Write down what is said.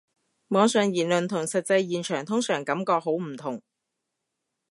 網上言論同實際現場通常感覺好唔同